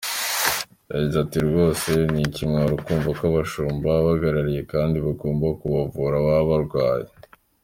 Yagize ati “Rwose ni ikimwaro kumva ko abashumba, abahagarariye abandi bagomba kubavura baba barwaye.